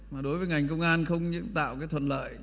mà đối với ngành công an không những tạo cái thuận lợi